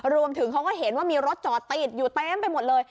รวมถึงเขาก็เห็นว่ามีรถจอดติดอยู่เต็มไปหมดเลย